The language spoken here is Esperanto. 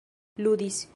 ludis